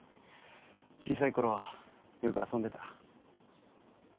小さい頃よく遊んでた。